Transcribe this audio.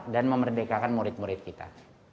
dan memerdekakan murid murid kita